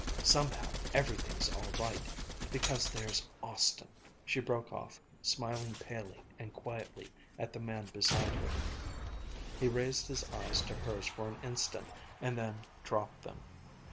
Somehow everything's all right because there's Austin." She broke off, smiling palely and quietly at the man beside her. He raised his eyes to hers for an instant and then dropped them.